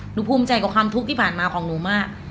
ภูมิใจกับความทุกข์ที่ผ่านมาของหนูมาก